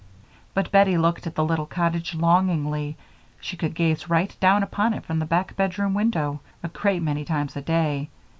But Bettie looked at the little cottage longingly she could gaze right down upon it from the back bedroom window a great many times a day.